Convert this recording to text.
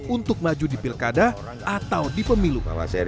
untuk maju di pilkada atau di pemilu